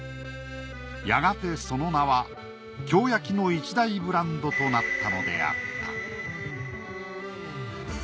やがてその名は京焼の一大ブランドとなったのであった。